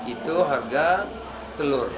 itu harga telur